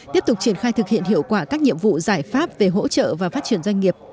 tiếp tục triển khai thực hiện hiệu quả các nhiệm vụ giải pháp về hỗ trợ và phát triển doanh nghiệp